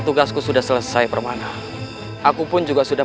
dan saya juga sudah membuat perjalanan ke tempat yang lebih baik dari yang saya lakukan